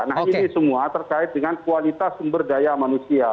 nah ini semua terkait dengan kualitas sumber daya manusia